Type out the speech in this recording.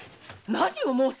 何を申す！